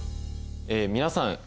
皆さん